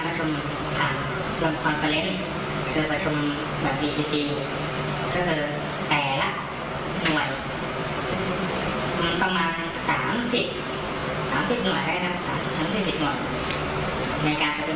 ก็ผมรู้ว่าการตามมาเมื่อว่าทำแล้วอะไร